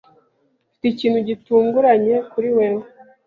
Mfite ikintu gitunguranye kuri wewe, .